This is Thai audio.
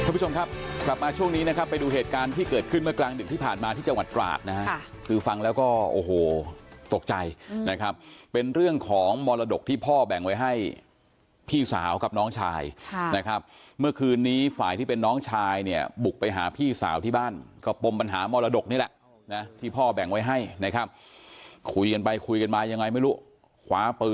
คุณผู้ชมครับกลับมาช่วงนี้นะครับไปดูเหตุการณ์ที่เกิดขึ้นเมื่อกลางดึกที่ผ่านมาที่จังหวัดตราดนะฮะคือฟังแล้วก็โอ้โหตกใจนะครับเป็นเรื่องของมรดกที่พ่อแบ่งไว้ให้พี่สาวกับน้องชายค่ะนะครับเมื่อคืนนี้ฝ่ายที่เป็นน้องชายเนี่ยบุกไปหาพี่สาวที่บ้านก็ปมปัญหามรดกนี่แหละนะที่พ่อแบ่งไว้ให้นะครับคุยกันไปคุยกันมายังไงไม่รู้คว้าปืน